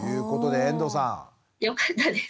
よかったです。